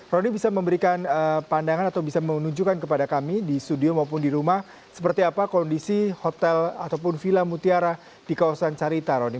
roni bisa memberikan pandangan atau bisa menunjukkan kepada kami di studio maupun di rumah seperti apa kondisi hotel ataupun villa mutiara di kawasan carita roni